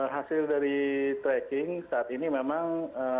hasil dari tracking saat ini memang